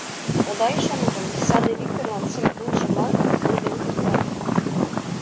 Ода ӱшане гын, саде Викторлан сын-кунжымат ойлен кертам.